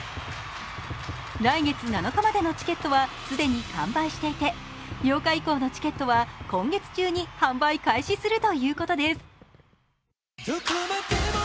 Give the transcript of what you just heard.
来月７日までのチケットは既に完売していて８日以降のチケットは今月中に販売開始するということです。